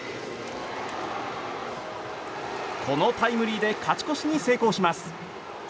このタイムリーで勝ち越しに成功します。